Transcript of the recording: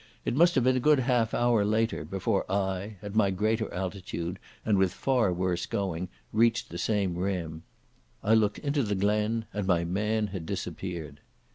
It must have been a good half hour later before I, at my greater altitude and with far worse going, reached the same rim. I looked into the glen and my man had disappeared.